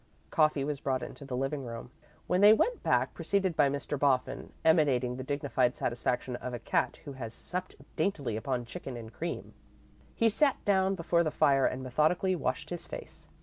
Coffee was brought into the living room, when they went back, preceded by Mr. Boffin, emanating the dignified satisfaction of a cat who has supped daintily upon chicken and cream. He sat down before the fire and methodically washed his face.